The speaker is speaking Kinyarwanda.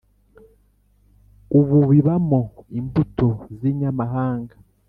ububibamo imbuto z’inyamahanga.